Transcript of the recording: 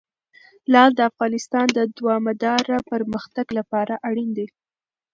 لعل د افغانستان د دوامداره پرمختګ لپاره اړین دي.